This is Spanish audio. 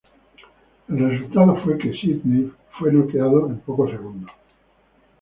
El resultado fue que Sídney fue noqueado en pocos segundos.